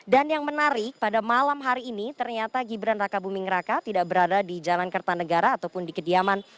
dan yang menarik pada malam hari ini ternyata gibran raka buming raka tidak berada di jalan kertanegara ataupun di kediaman